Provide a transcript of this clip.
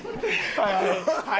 はい。